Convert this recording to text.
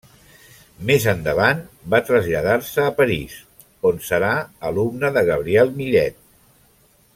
Més endavant va traslladar-se a París, on serà alumne de Gabriel Millet.